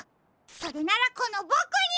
それならこのボクに！